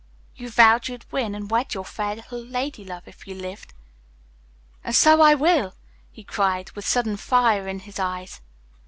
"You vowed you'd win and wed your fair little lady love if you lived." "And so I will," he cried, with sudden fire in his eyes.